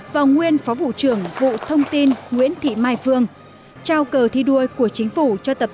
và nguyên phó vụ trưởng vụ thông tin nguyễn thị mai phương trao cờ thi đua của chính phủ cho tập